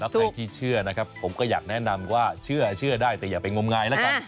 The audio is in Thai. ใครที่เชื่อนะครับผมก็อยากแนะนำว่าเชื่อได้แต่อย่าไปงมงายแล้วกัน